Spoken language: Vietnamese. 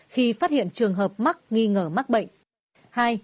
khi phát hiện trường hợp mắc nghi ngờ mắc bệnh